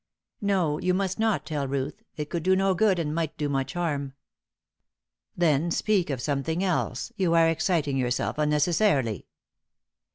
"No, you must not tell Ruth; it could do no good, and might do much harm." "Then speak of something else. You are exciting yourself unnecessarily."